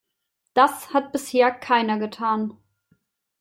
Das hat bisher keiner getan.